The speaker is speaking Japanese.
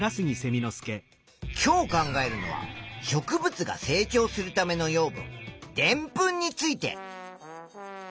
今日考えるのは植物が成長するための養分でんぷんについて。